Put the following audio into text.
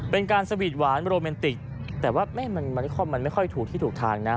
เป็นการสวีทหวานโรแมนติกแต่ว่าแม่มันนิคอมมันไม่ค่อยถูกที่ถูกทางนะ